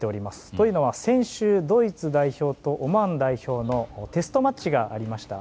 というのは先週ドイツ代表とオマーン代表のテストマッチがありました。